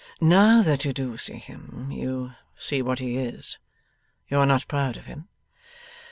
'Now that you do see him, you see what he is. You are not proud of him?